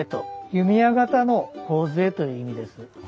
弓矢型の頬杖という意味です。